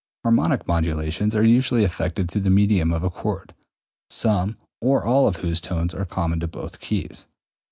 Harmonic modulations are usually effected through the medium of a chord, some or all of whose tones are common to both keys.